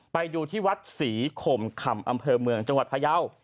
ไปดูที่วัดศรีขมคำอำเภอเมืองจังหวัดพยาว